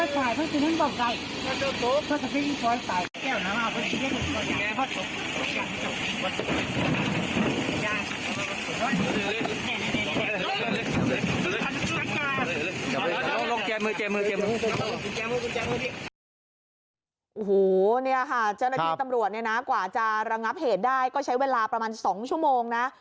เจ้าหน้าที่ตำรวจกว่าจะระงับเหตุได้ก็ใช้เวลาประมาณ๒ชั่วโมงนะ